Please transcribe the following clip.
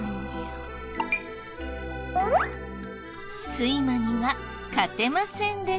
睡魔には勝てませんでした。